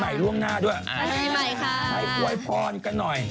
ให้กลัวไอ้พรกันหน่อย